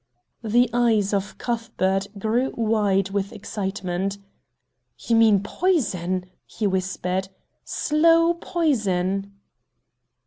The eyes of Cuthbert grew wide with excitement. "You mean poison!" he whispered. "Slow poison!"